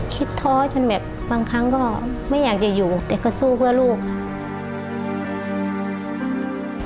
ท้อจนแบบบางครั้งก็ไม่อยากจะอยู่แต่ก็สู้เพื่อลูกค่ะ